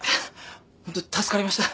ホント助かりました。